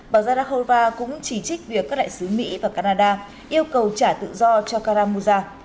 bà zakharova cũng chỉ trích việc các đại sứ mỹ và canada yêu cầu trả tự do cho karamirov